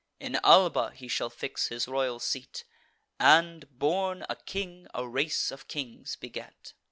In Alba he shall fix his royal seat, And, born a king, a race of kings beget.